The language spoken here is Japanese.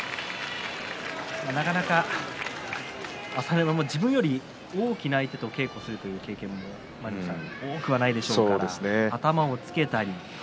なかなか朝乃山も自分より大きな相手と稽古する経験も多くはないでしょうから頭をつけたり。